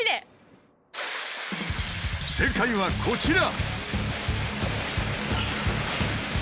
正解はこちら！